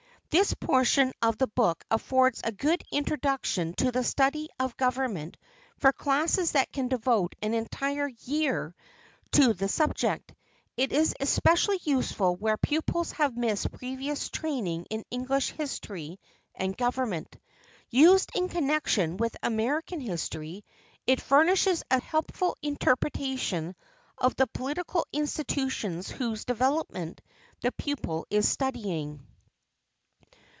This portion of the book affords a good introduction to the study of government for classes that can devote an entire year to the subject. It is especially useful where pupils have missed previous training in English history and government. Used in connection with American history, it furnishes a helpful interpretation of the political institutions whose development the pupil is studying.